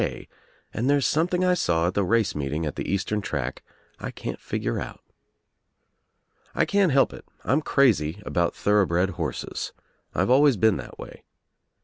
K.* I and there's something I saw at the race meeting at '■ vtfae eastern track 1 can't figure out. P I can't help it, I'm crazy about thoroughbred horses. I've always been that way.